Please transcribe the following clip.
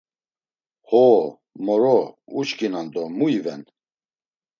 Ho, moro, uçkinan do mu iven!